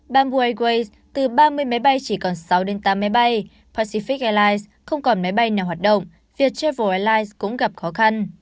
bamboo airways từ ba mươi máy bay chỉ còn sáu đến tám máy bay pacific airlines không còn máy bay nào hoạt động viettravel airlines cũng gặp khó khăn